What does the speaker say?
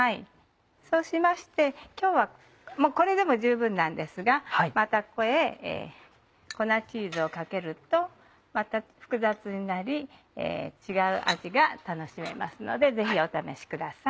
そうしまして今日はこれでも十分なんですがまたここへ粉チーズをかけるとまた複雑になり違う味が楽しめますのでぜひお試しください。